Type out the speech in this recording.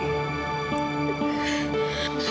terima kasih ayah